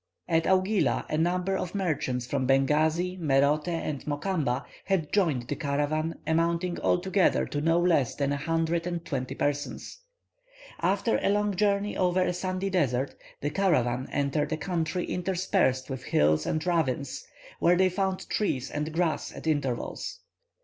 At Augila a number of merchants from Bengasi, Merote, and Mokamba had joined the caravan, amounting altogether to no less than a hundred and twenty persons. After a long journey over a sandy desert, the caravan entered a country interspersed with hills and ravines, where they found trees and grass at intervals.